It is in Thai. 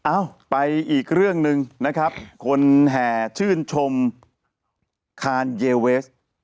เอ้าไปอีกเรื่องหนึ่งนะครับคนแห่ชื่นชมคานเยเวส